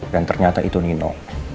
dan ternyata itu nino